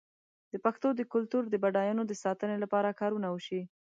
د پښتو د کلتور د بډاینو د ساتنې لپاره کارونه وشي.